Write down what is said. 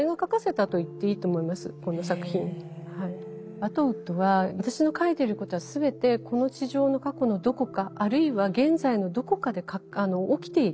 アトウッドは私の書いてることは全てこの地上の過去のどこかあるいは現在のどこかで起きている。